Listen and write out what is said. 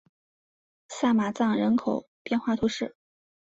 萨马藏人口变化图示